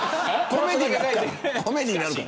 コメディになるから。